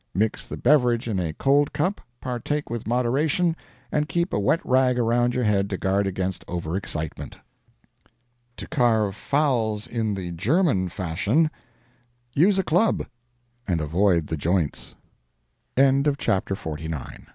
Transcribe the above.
Mix the beverage in a cold cup, partake with moderation, and keep a wet rag around your head to guard against over excitement. TO CARVE FOWLS IN THE GERMAN FASHION Use a club, and avoid the joints. CHAPTER L [Titian Bad and Titian Good] I wonder why